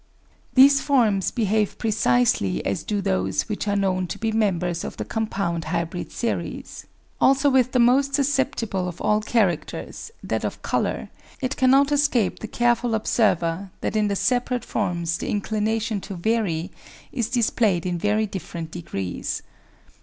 These forms behave precisely as do those which are known to be members of the compound hybrid series. Also with the most susceptible of all characters, that of colour, it cannot escape the careful observer that in the separate forms the inclina tion to vary is displayed in very different degrees.